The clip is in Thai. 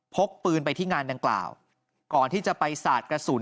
กปืนไปที่งานดังกล่าวก่อนที่จะไปสาดกระสุน